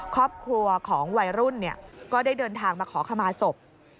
ครอบครัวของวัยรุ่นก็ได้เดินทางมาขอขมาศพ